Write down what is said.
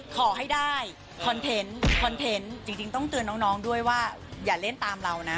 ขอให้ได้คอนเทนต์คอนเทนต์จริงต้องเตือนน้องด้วยว่าอย่าเล่นตามเรานะ